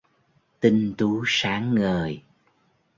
Tinh tú sáng ngời